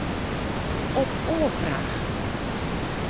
Op oanfraach.